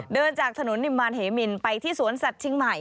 เดินจากถนนนิมมารเหมินไปที่สวนสัตว์เชียงใหม่